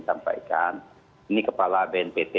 sampaikan ini kepala bnpt